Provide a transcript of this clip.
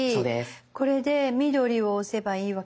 これで緑を押せばいいわけですね。